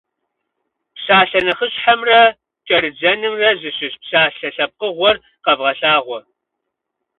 Псалъэ нэхъыщхьэмрэ кӏэрыдзэнымрэ зыщыщ псалъэ лъэпкъыгъуэр къэвгъэлъагъуэ.